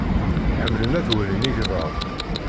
Ḥemmlen ad walin igḍaḍ.